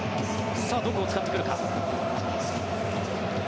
どこを使ってくるか。